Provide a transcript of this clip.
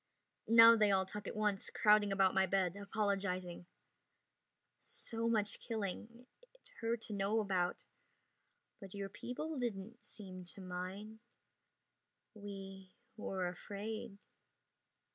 Now they all talk at once, crowding about my bed, apologizing. "So much killing. It hurt to know about. But your people didn't seem to mind." "We were afraid."